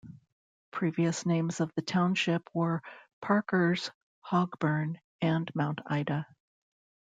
Previous names of the township were Parker's, Hogburn and Mount Ida.